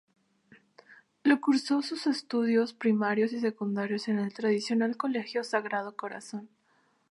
Lo cursó sus estudios primarios y secundarios en el tradicional Colegio Sagrado Corazón.